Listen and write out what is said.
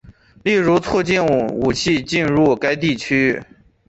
例如促进武器进入该地区。